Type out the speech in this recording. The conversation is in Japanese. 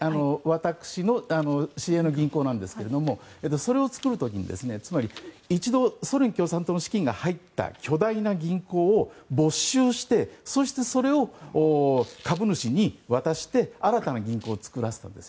私営の銀行なんですがそれを作る時に一度ソ連共産党の資金が入った巨大な銀行を没収してそれを株主に渡して新たな銀行を作らせたんです。